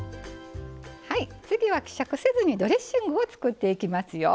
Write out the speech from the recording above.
次は希釈せずにドレッシングを作っていきますよ。